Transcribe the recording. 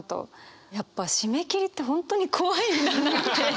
やっぱ締め切りって本当に怖いんだなって。